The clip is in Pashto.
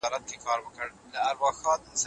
هر ژوندی موجود بل ته اړتیا لري.